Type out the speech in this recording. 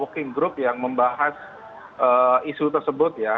working group yang membahas isu tersebut ya